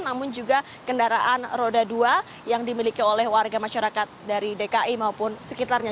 namun juga kendaraan roda dua yang dimiliki oleh warga masyarakat dari dki maupun sekitarnya